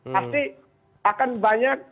pasti akan banyak